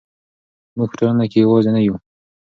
موږ په ټولنه کې یوازې نه یو.